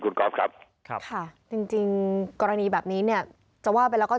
คุณก๊อฟครับครับค่ะจริงจริงกรณีแบบนี้เนี่ยจะว่าไปแล้วก็